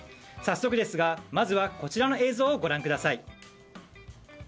早速ですが、まずはこちらの映像をご覧ください。